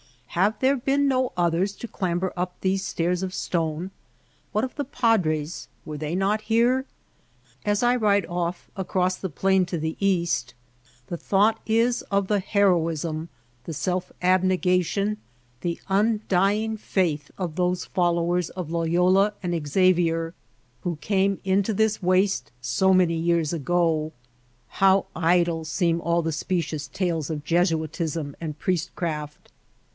Have there been no others to clamber up these stairs of stone ? What of the Padres — were they not here ? As I ride off across the plain to the east the thought is of the heroism, the self abnega tion, the undying faith of those followers of Loyola and Xavier who came into this waste so many years ago. How idle seem all the specious tales of Jesuitism and priestcraft.